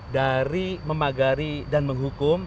dari memagari dan menghukum